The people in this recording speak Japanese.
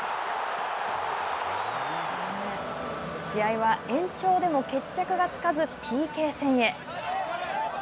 試合は、延長でも決着がつかずＰＫ戦へ。